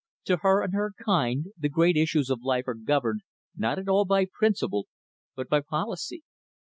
To her, and to her kind, the great issues of life are governed, not at all by principle, but by policy.